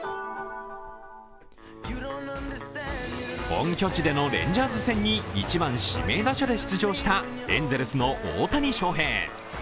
本拠地でのレンジャーズ戦に１番・指名打者で出場したエンゼルスの大谷翔平。